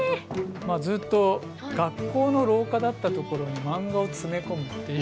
ずっと学校の廊下だったところにマンガを詰め込むっていう。